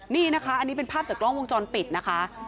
นี่นะคะอันนี้เป็นภาพจากกล้องวงจรปิดนะคะ